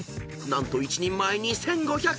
何と一人前２，５００円！］